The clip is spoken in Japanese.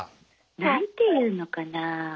何ていうのかな。